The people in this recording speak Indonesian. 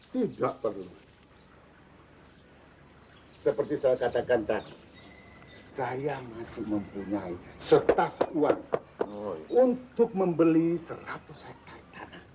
tidak perlu seperti saya katakan tadi saya masih mempunyai setas uang untuk membeli seratus hektare tanah